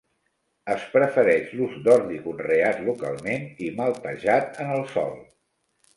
Es prefereix l'ús d'ordi conreat localment, i maltejat en el sòl.